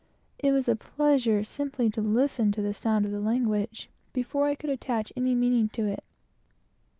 It was a pleasure, simply to listen to the sound of the language, before I could attach any meaning to it.